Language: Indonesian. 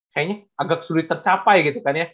kayaknya agak sulit tercapai gitu kan ya